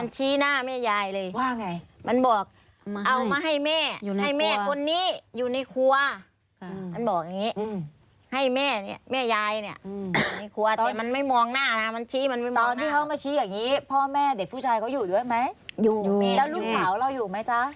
ทางที่ศาลคุณได้สืบ